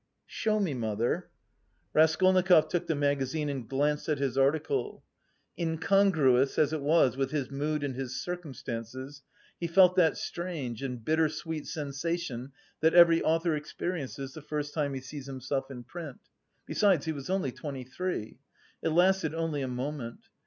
"Show me, mother." Raskolnikov took the magazine and glanced at his article. Incongruous as it was with his mood and his circumstances, he felt that strange and bitter sweet sensation that every author experiences the first time he sees himself in print; besides, he was only twenty three. It lasted only a moment.